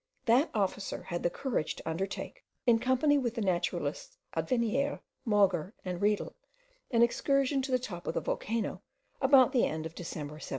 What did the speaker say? That officer had the courage to undertake, in company with the naturalists Advenier, Mauger, and Riedle, an excursion to the top of the volcano about the end of December, 1797.